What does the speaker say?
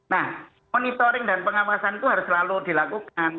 nah monitoring dan pengawasan itu harus selalu dilakukan